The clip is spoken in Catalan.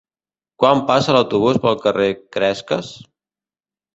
Quan passa l'autobús pel carrer Cresques?